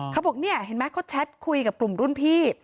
เขาบอกเนี่ยเห็นไหมเขาแชทคุยกับกลุ่มรุ่นพี่